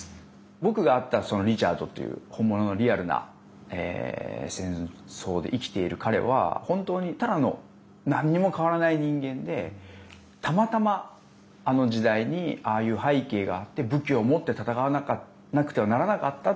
僕が会ったリチャードという本物のリアルな戦争で生きている彼は本当に、ただのなんにも変わらない人間でたまたま、あの時代にああいう背景があって武器を持って戦わなくてはならなかった。